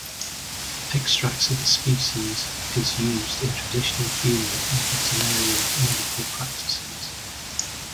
Extracts of the species is used in traditional human and veterinary medical practices.